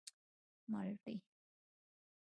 _مالټې.